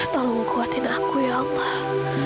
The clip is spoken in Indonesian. tolong kuatin aku ya allah